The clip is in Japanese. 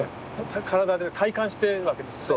体で体感してるわけですね。